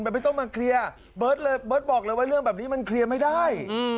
ไม่ต้องมาเคลียร์เบิร์ตบอกเลยว่าเรื่องแบบนี้มันเคลียร์ไม่ได้